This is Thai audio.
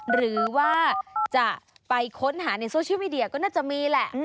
หรือว่าจะไปค้นหาในโซเชียลมีเดียก็น่าจะมีแหละ